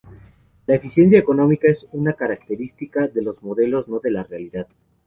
La eficiencia económica es una característica de los modelos, no de la realidad.